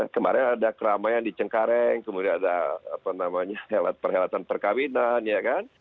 kemarin ada keramaian di cengkareng kemudian ada perhelatan perkawinan